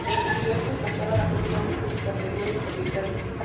Los libertos pasaban a ser clientes de sus anteriores propietarios.